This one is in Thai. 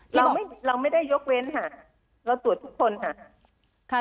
เราไม่ได้ยกเว้นค่ะเราตรวจทุกคนค่ะ